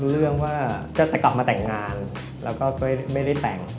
เรื่องว่าจะกลับมาแต่งงานแล้วก็ไม่ได้แต่ง